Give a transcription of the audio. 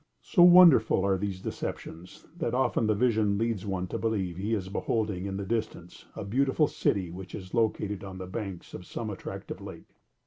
So wonderful are these deceptions, that often the vision leads one to believe he is beholding, in the distance, a beautiful city which is located on the banks of some attractive lake.